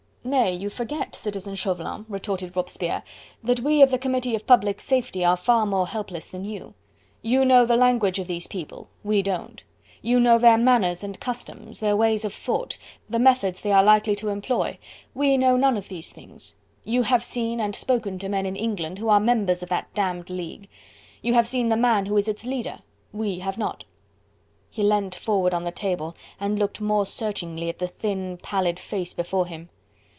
"Nay! you forget, Citizen Chauvelin," retorted Robespierre, "that we of the Committee of Public Safety are far more helpless than you. You know the language of these people, we don't. You know their manners and customs, their ways of thought, the methods they are likely to employ: we know none of these things. You have seen and spoken to men in England who are members of that damned League. You have seen the man who is its leader. We have not." He leant forward on the table and looked more searchingly at the thin, pallid face before him.